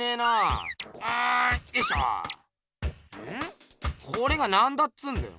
これが何だっつうんだよ？